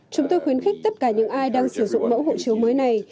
chúng tôi khuyến khích tất cả những ai đang sử dụng mẫu hộ chiếu mới này